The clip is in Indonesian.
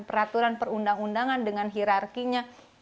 peraturan perundang undangan dengan hirarkinya